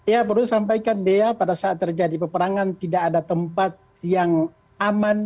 ya perlu sampaikan dea pada saat terjadi peperangan tidak ada tempat yang aman